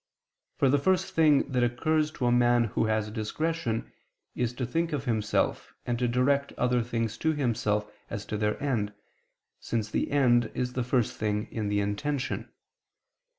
For the first thing that occurs to a man who has discretion, is to think of himself, and to direct other things to himself as to their end, since the end is the first thing in the intention.